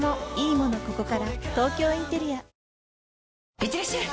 いってらっしゃい！